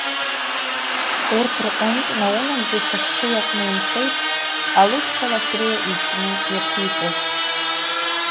Урҭ рҟынтә наунагӡа сыхшьыҩ аҟны инхеит Алықьса Лашәриа изкны иаԥиҵаз.